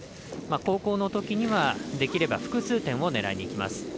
後攻のときにはできれば複数点を狙いにいきます。